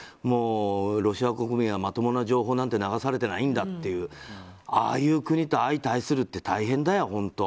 ロシア国民はまともな情報なんて流されてないんだってああいう国と相対するって大変だよ。